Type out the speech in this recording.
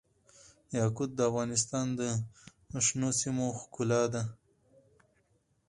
یاقوت د افغانستان د شنو سیمو ښکلا ده.